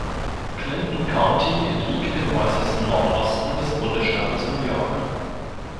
Clinton County liegt im äußersten Nordosten des Bundesstaates New York.